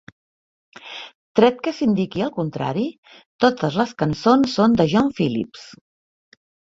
Tret que s'indiqui el contrari, totes les cançons són de John Phillips.